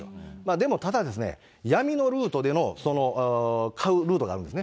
でもただですね、闇のルートでの買うルートがあるんですね。